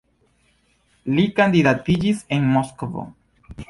Li kandidatiĝis en Moskvo.